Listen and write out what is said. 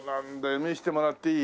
見せてもらっていい？